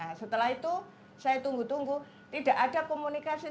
ada yang mengatakan ada banyak namanya itu hancur hancur masalah khususnya disegar ga